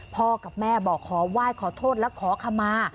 พ่อกับแม่บอกขอไหว้ขอโทษและขอขมา